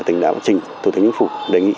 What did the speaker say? tỉnh đạo trình thủ tướng chính phủ đề nghị